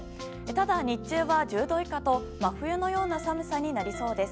ただ、日中は１０度以下と真冬のような寒さになりそうです。